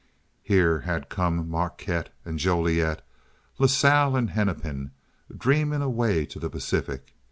Here had come Marquette and Joliet, La Salle and Hennepin, dreaming a way to the Pacific.